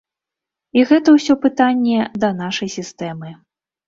І гэта ўсё пытанне да нашай сістэмы.